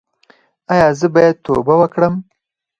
ایا زه باید توبه وکړم؟